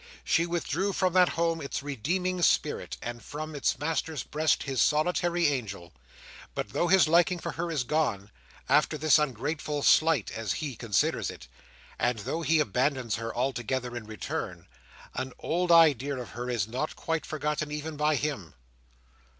She withdrew from that home its redeeming spirit, and from its master's breast his solitary angel: but though his liking for her is gone, after this ungrateful slight as he considers it; and though he abandons her altogether in return, an old idea of her is not quite forgotten even by him.